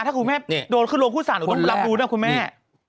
ถ้าคุณแม่โดนขึ้นโรงคุณสารผมต้องรับรู้นะคุณแม่